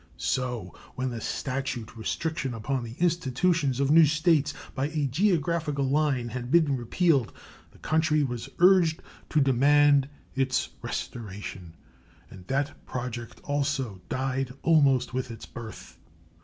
So when the statute restriction upon the institutions of new States by a geographical line had been repealed, the country was urged to demand its restoration, and that project also died almost with its birth.